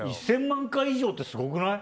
１０００万回以上ってすごくない？